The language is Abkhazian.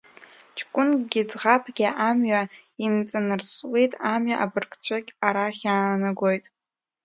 Ҷкәынгьы ӡӷабгьы амҩа имҵанарсуеит, амҩа абыргцәагь арахь иаанагоит.